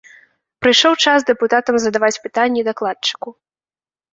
Прыйшоў час дэпутатам задаваць пытанні дакладчыку.